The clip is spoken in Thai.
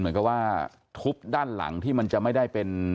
เหมือนกับว่าทุบด้านหลังที่มันจะไม่ได้เป็น